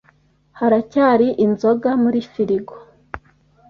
Haracyari inzoga muri firigo.